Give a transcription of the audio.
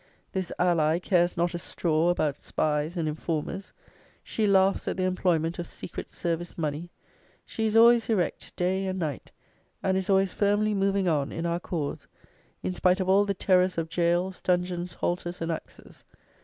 This ally cares not a straw about spies and informers. She laughs at the employment of secret service money. She is always erect, day and night, and is always firmly moving on in our cause, in spite of all the terrors of gaols, dungeons, halters and axes.